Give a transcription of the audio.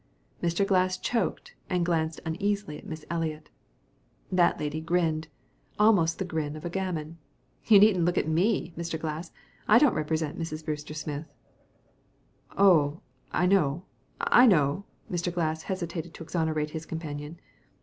Mr. Glass choked and glanced uneasily at Miss Eliot. That lady grinned, almost the grin of a gamin. "You needn't look at me, Mr. Glass. I don't represent Mrs. Brewster Smith." "Oh, I know, I know," Mr. Glass hastened to exonerate his companion.